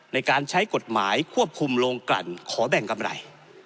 ในการใช้กฎหมายควบคุมโรงกลั่นขอแบ่งกำไร